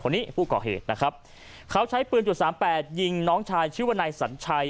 คนนี้ผู้ก่อเหตุนะครับเขาใช้ปืนจุดสามแปดยิงน้องชายชื่อว่านายสัญชัย